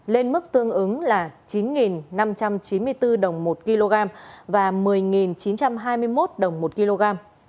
lên mức tương ứng là chín năm trăm chín mươi bốn đồng một kg và một mươi chín trăm hai mươi một đồng một kg